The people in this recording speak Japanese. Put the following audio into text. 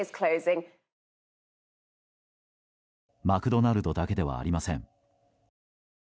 マクドナルドだけではありません。